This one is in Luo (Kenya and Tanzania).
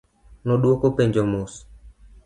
Nodwoko penjo mos.